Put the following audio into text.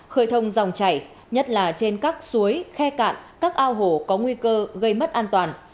khơi thông dòng chảy nhất là trên các suối khe cạn các ao hồ có nguy cơ gây mất an toàn